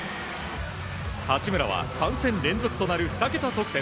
八村は３戦連続となる２桁得点。